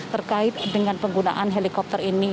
terkait dengan penggunaan helikopter ini